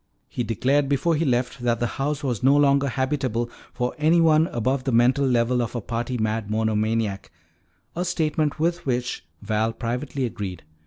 He declared before he left that the house was no longer habitable for anyone above the mental level of a party mad monomaniac, a statement with which Val privately agreed.